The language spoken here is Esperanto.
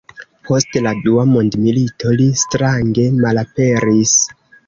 Post la dua mondmilito li strange malaperis.